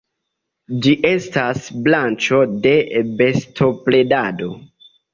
Ĝi estas branĉo de bestobredado.